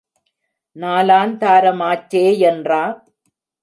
நாலாந் தாரமாச்சே யென்றா?